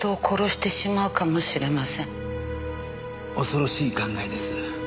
恐ろしい考えです。